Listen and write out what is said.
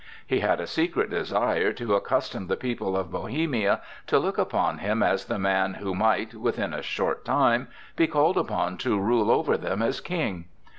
He had a secret desire to accustom the people of Bohemia to look upon him as the man who might, within a short time, be called upon to rule over them as king.